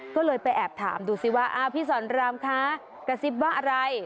ก็เลยไปแอบถามดูสิว่าพี่สอนรามคะกระซิบว่าอะไร